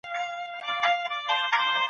خلک وایي چي دلارام یو ډېر ارام او برکتي ځای دی.